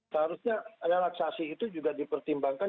seharusnya relaksasi itu juga dipertimbangkan